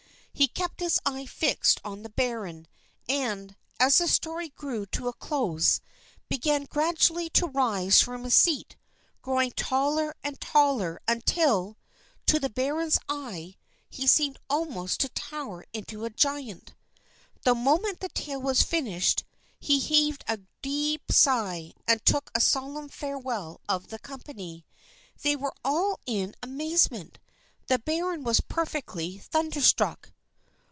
He kept his eye fixed on the baron, and, as the story drew to a close, began gradually to rise from his seat, growing taller and taller, until, to the baron's eye, he seemed almost to tower into a giant. The moment the tale was finished, he heaved a deep sigh, and took a solemn farewell of the company. They were all in amazement. The baron was perfectly thunderstruck.